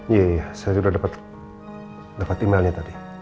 iya saya sudah dapat emailnya tadi